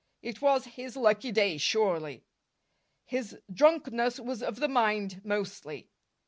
It was his lucky day, surely. His drunkenness was of the mind, mostly.